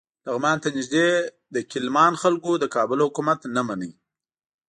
لغمان ته نږدې د کیلمان خلکو د کابل حکومت نه مانه.